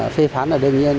phê phán là đương nhiên